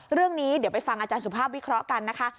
เรื่องนี้เดี๋ยวไปฟังอาจารย์สุภาพวิเคราะห์กันนะคะ